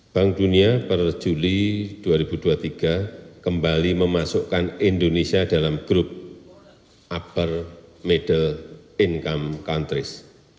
bank dunia per juli dua ribu dua puluh tiga kembali memasukkan indonesia dalam grup upper middle income countries